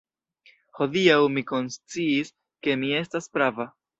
Hodiaŭ mi konsciis, ke mi estas prava!